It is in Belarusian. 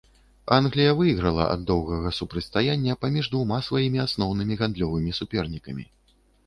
Англія выйграла ад доўгага супрацьстаяння паміж двума сваімі асноўнымі гандлёвымі супернікамі.